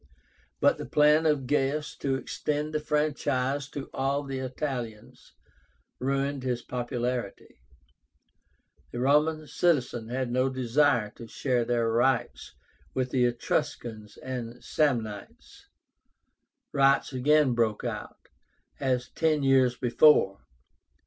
But the plan of Gaius to extend the franchise to all the Italians ruined his popularity. The Roman citizens had no desire to share their rights with the Etruscans and Samnites. Riots again broke out, as ten years before.